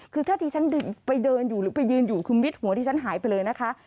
คือถ้าที่ฉันไปเดินอยู่หรือไปยืนอยู่คือมิดหัวที่ฉันหายไปเลยนะคะ